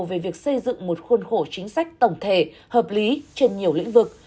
về việc xây dựng một khuôn khổ chính sách tổng thể hợp lý trên nhiều lĩnh vực